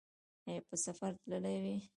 ایا په سفر تللي وئ؟